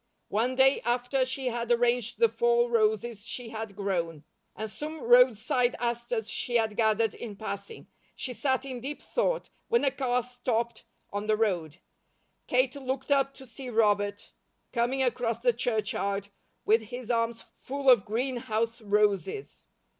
One day after she had arranged the fall roses she had grown, and some roadside asters she had gathered in passing, she sat in deep thought, when a car stopped on the road. Kate looked up to see Robert coming across the churchyard with his arms full of greenhouse roses.